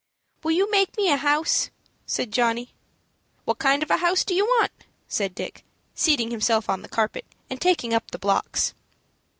"Will you make me a house?" said Johnny. "What kind of a house do you want?" said Dick, seating himself on the carpet, and taking up the blocks.